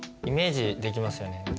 イメージできますよね